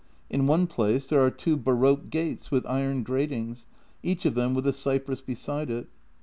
In one place there are two baroque gates with iron gratings, each of them with a cypress beside it.